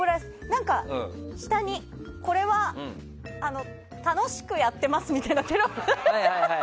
何か、下にこれは楽しくやってますみたいなテロップを。